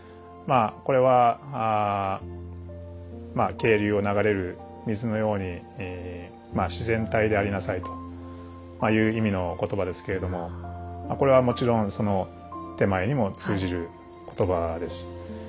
まあこれは渓流を流れる水のようにまあ自然体でありなさいという意味の言葉ですけれどもこれはもちろんその点前にも通じる言葉です。